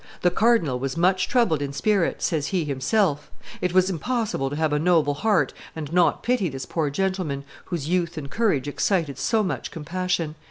The cardinal was much troubled in spirit," says he himself it was impossible to have a noble heart and not pity this poor gentleman, whose youth and courage excited so much compassion."